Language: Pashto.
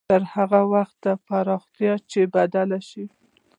تر هغه وخته يې پراخوي چې بدل شي.